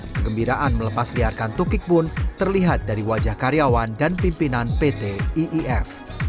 kegembiraan melepas liarkan tukik pun terlihat dari wajah karyawan dan pimpinan pt iif